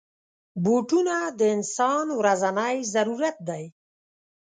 بوټونه د انسان ورځنی ضرورت دی.